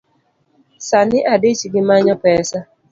Sani adich gi manyo pesa